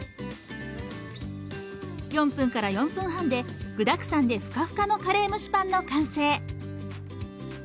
４分から４分半で具だくさんでふかふかのカレー蒸しパンの完成。